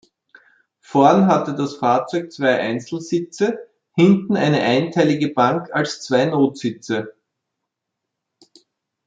Vorn hatte das Fahrzeug zwei Einzelsitze, hinten eine einteilige Bank als zwei Notsitze.